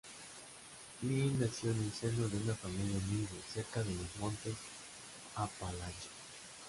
Lynn nació en el seno de una familia humilde, cerca de los montes Apalaches.